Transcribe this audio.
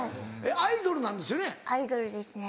アイドルなんですよね？